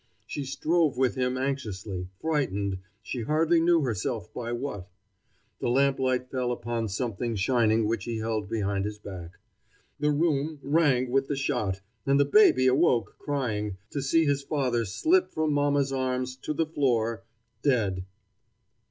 She strove with him anxiously, frightened, she hardly knew herself by what. The lamplight fell upon something shining which he held behind his back. The room rang with the shot, and the baby awoke crying, to see its father slip from mama's arms to the floor, dead.